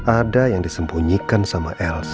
ada yang disembunyikan sama els